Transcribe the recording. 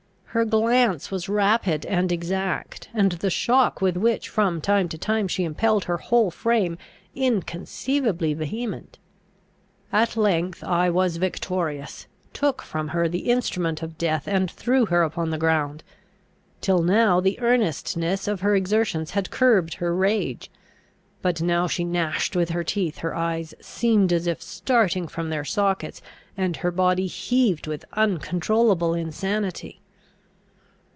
Her glance was rapid and exact, and the shock with which from time to time she impelled her whole frame inconceivably vehement. At length I was victorious, took from her the instrument of death, and threw her upon the ground. Till now the earnestness of her exertions had curbed her rage; but now she gnashed with her teeth, her eyes seemed as if starting from their sockets, and her body heaved with uncontrollable insanity.